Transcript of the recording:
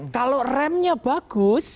kalau remnya bagus